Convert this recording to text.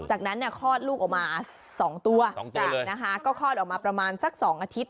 จากนั้นเนี่ยคลอดลูกออกมา๒ตัว๒ตัวเลยนะคะก็คลอดออกมาประมาณสัก๒อาทิตย